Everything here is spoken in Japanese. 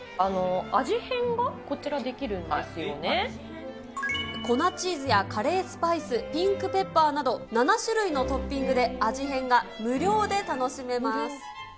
味変がこちら、できるんです粉チーズやカレースパイス、ピンクペッパーなど、７種類のトッピングで味変が無料で楽しめます。